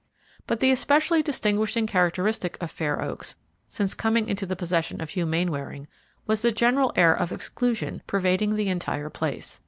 But the especially distinguishing characteristic of Fair Oaks since coming into the possession of Hugh Mainwaring was the general air of exclusion pervading the entire place.